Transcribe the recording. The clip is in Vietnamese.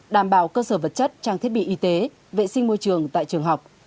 đảm bảo cơ sở vật chất trang thiết bị y tế vệ sinh môi trường tại trường học